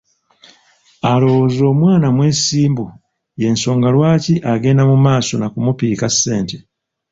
Alowooza omwana mwesimbu ye nsonga lwaki agenda mu maaso nakumupiika ssente.